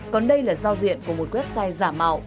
còn đây là giao diện của một website giả mạo